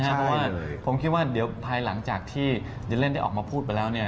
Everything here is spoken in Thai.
เพราะว่าผมคิดว่าเดี๋ยวภายหลังจากที่ดิเลนได้ออกมาพูดไปแล้ว